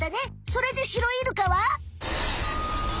それでシロイルカは？